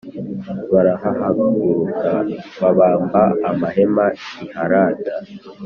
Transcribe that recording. Barahahaguruka babamba amahema i Harada